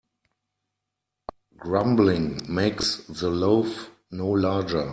Grumbling makes the loaf no larger.